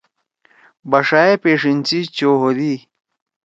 بݜا ئے پیݜیِن سی چو ہودی۔